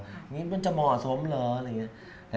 อย่างนี้มันจะเหมาะสมเหรออะไรอย่างนี้